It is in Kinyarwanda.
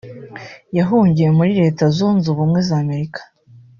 wahungiye muri Leta Zunze Ubumwe z’Amerika